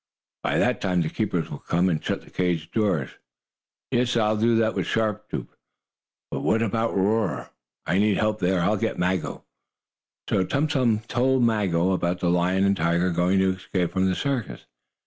"By that time the keepers will come, and shut the cage doors. Yes, I'll do that with Sharp Tooth; but what about Roarer? I need help there. I'll get Maggo." So Tum Tum told Maggo, about the lion and tiger going to escape from the circus.